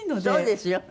そうですよ。